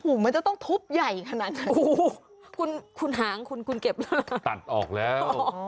โอ้โหมันจะต้องทุบใหญ่ขนาดนั้นโอ้โหคุณคุณหางคุณคุณเก็บแล้วตัดออกแล้ว